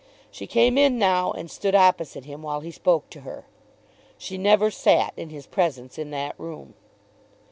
She came in now and stood opposite to him, while he spoke to her. She never sat in his presence in that room.